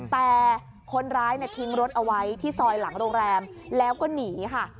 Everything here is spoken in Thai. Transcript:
แต่คนร้ายทิ้งรถเอาไว้ที่ซอยหลังโรงแรมแล้วก็หนีค่ะ